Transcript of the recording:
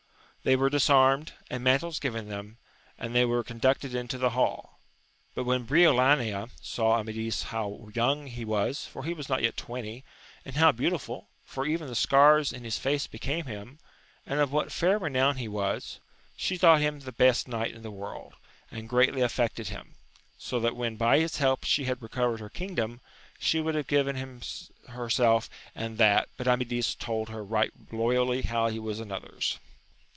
They were disarmed, and mantles given them, and they were conducted into the hall. But when Briolania saw Amadis how young he was, for he was not twenty, and how beautiful, for even the scars in his face became him, and of what fair renown he was, she thought him the best knight in the world, and greatly affected him ; so that when by his help she had recovered her kingdom, she would have given him herself and that, but Amadis told her right loyally how he was another's.